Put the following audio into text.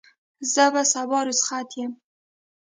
زه به سبا رخصت یم.